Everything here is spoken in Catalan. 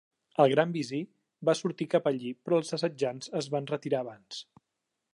El gran visir va sortir cap allí però els assetjants es van retirar abans.